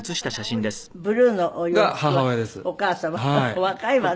お若いわね。